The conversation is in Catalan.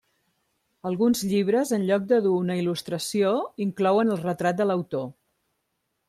Alguns llibres en lloc de dur una il·lustració inclouen el retrat de l'autor.